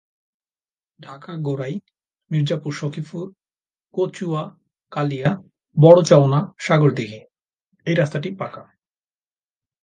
ঢাকা-গোরাই, মির্জাপুর-সখিপুর-কচুয়া-কালিয়া-বড়চওনা-সাগরদিঘী; এই রাস্তাটি পাকা।